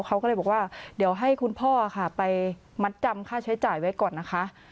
เขาก็เลยบอกว่าเดี๋ยวให้คุณพ่อค่ะไปมัดจำค่าใช้จ่ายไว้ก่อนนะคะ